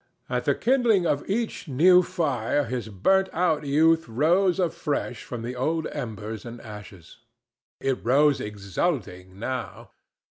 At the kindling of each new fire his burnt out youth rose afresh from the old embers and ashes. It rose exulting now.